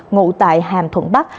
ngụ tại hàm thuận bắc